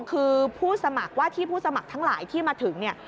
คือผู้สมัครว่าที่ผู้สมัครทั้งหลายที่มาถึงเนี่ย